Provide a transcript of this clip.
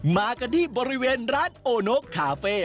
มากันที่บริเวณร้านโอโนคาเฟ่